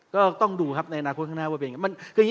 ก็ต้องดูครับในอนาคตข้างหน้าว่าเป็นยังไง